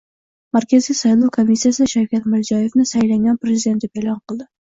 Markaziy saylov komissiyasi Shavkat Mirziyoyevni saylangan prezident deb e’lon qildi